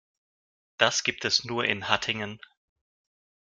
Das gibt es nur in Hattingen